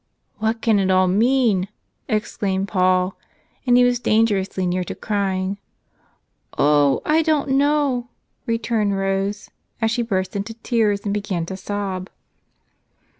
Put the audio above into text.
"What can it all mean?" exclaimed Paul; and he was dangerously near to crying. "Oh, I don't know," returned Rose as she burst into tears and began to sob.